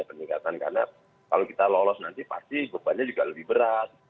peningkatan karena kalau kita lolos nanti pasti bebannya juga lebih berat